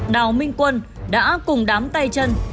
đào minh quân đã cùng đám tay chân